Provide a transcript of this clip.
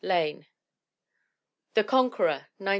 Lane. The Conqueror, 1902.